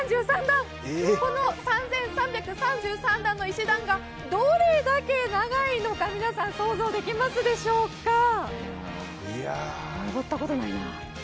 この３３３３段の石段がどれだけ長いのか皆さん想像できますでしょうか。